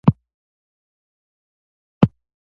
د غاښونو د درد لپاره کوم بوټی وکاروم؟